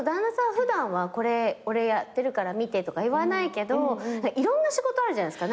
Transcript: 普段は「これ俺やってるから見て」とか言わないけどいろんな仕事あるじゃないですか。